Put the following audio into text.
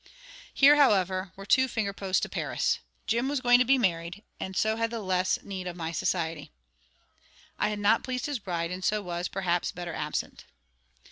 Here, however, were two finger posts to Paris. Jim was going to be married, and so had the less need of my society. I had not pleased his bride, and so was, perhaps, better absent.